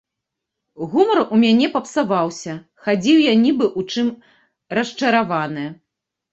Гумар у мяне папсаваўся, хадзіў я нібы ў чым расчараваны.